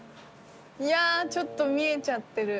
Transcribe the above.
いやーちょっと見えちゃってる。